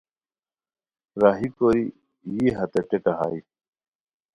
راہی کوری یی ہتے ٹیکا ہائے